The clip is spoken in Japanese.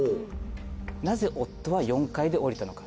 なぜ夫は４階で降りたのか。